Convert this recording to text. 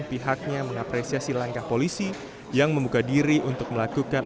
pihaknya mengapresiasi langkah polisi yang membuka diri untuk melakukan